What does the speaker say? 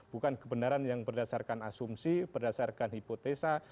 bukan kebenaran yang berdasarkan asumsi berdasarkan hipotesa